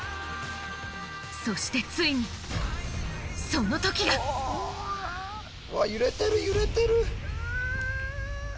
そしてついにうわ揺れてる揺れてる。